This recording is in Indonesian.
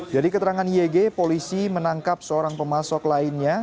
dari keterangan yg polisi menangkap seorang pemasok lainnya